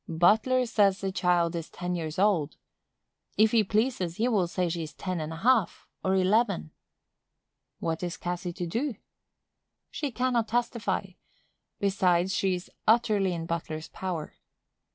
Butler says the child is ten years old; if he pleases, he will say she is ten and a half, or eleven. What is Cassy to do? She cannot testify; besides, she is utterly in Butler's power.